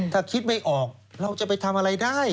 ถ้าคิดไม่ออกเราจะไปทำอะไรได้